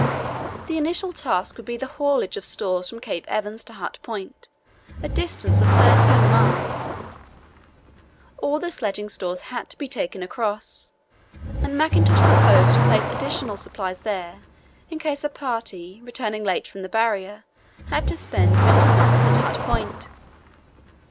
The initial task would be the haulage of stores from Cape Evans to Hut Point, a distance of 13 miles. All the sledging stores had to be taken across, and Mackintosh proposed to place additional supplies there in case a party, returning late from the Barrier, had to spend winter months at Hut Point.